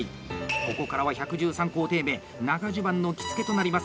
ここからは１１３工程目長襦袢の着付となります。